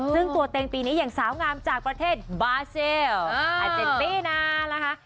ซึ่งตัวเต็งปีนี้อย่างสาวงามจากประเทศบาเซลอาเจนตี้นานะคะ